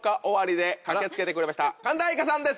神田愛花さんです